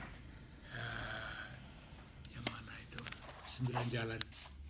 yang mana itu sembilan jalan